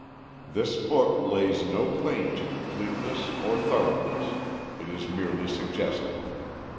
This book lays no claim to completeness or thoroughness. It is merely suggestive.